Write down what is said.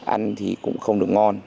ăn thì cũng không được ngon